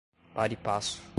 pari passu